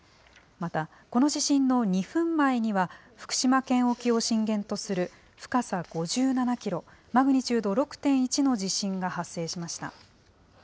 また、この地震の２分前には、福島県沖を震源とする深さ５７キロ、マグニチュード６．１の地震が発生しました。